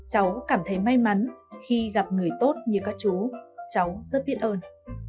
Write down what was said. cháu cảm thấy may mắn khi gặp người tốt như các chú cháu rất biết ơn